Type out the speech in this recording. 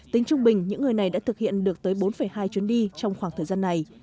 tính trung bình những người này đã thực hiện được tới bốn hai chuyến đi trong khoảng thời gian này